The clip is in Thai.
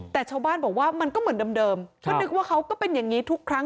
แต่ชาวบ้านบอกว่ามันก็เหมือนเดิมก็นึกว่าเขาก็เป็นอย่างนี้ทุกครั้ง